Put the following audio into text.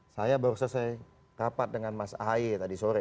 saya baru saja saya rapat dengan mas ahy tadi sore